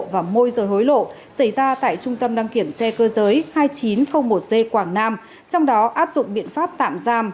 và môi rời hối lộ xảy ra tại trung tâm đăng kiểm xe cơ giới hai nghìn chín trăm linh một g quảng nam trong đó áp dụng biện pháp tạm giam